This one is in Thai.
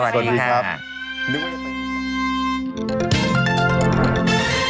ขอรับพรุ่งนี้จะไปภูกรรม